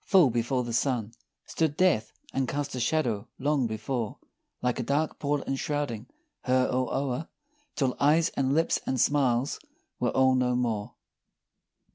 Full before the sun Stood Death and cast a shadow long before, Like a dark pall enshrouding her all o'er, Till eyes, and lips, and smiles, were all no more!